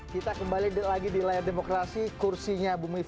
kita kembali lagi di layar demokrasi kursinya bumifta